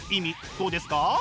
どうですか？